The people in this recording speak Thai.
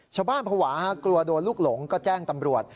ภาวะกลัวโดนลูกหลงก็แจ้งตำรวจ